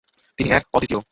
তিনি এক, অদ্বিতীয়।